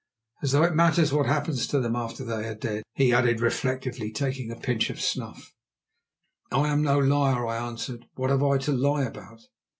As though it matters what happens to them after they are dead!" he added reflectively, taking a pinch of snuff. "I am no liar," I answered. "What have I to lie about?"